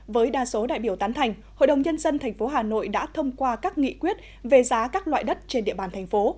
với đa số đại biểu tán thành hội đồng nhân dân tp hà nội đã thông qua các nghị quyết về giá các loại đất trên địa bàn thành phố